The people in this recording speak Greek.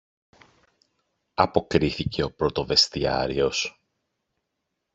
αποκρίθηκε ο πρωτοβεστιάριος.